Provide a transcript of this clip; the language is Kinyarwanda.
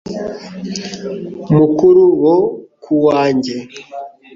Mukuru wo ku wanjye,